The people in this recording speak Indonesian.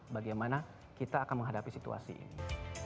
bagaimana kita akan menghadapi situasi ini